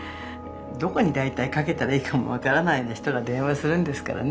どこに大体かけたらいいかも分からないような人が電話するんですからね。